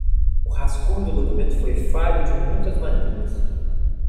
O rascunho do documento foi falho de muitas maneiras.